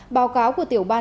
báo cáo của tiểu ban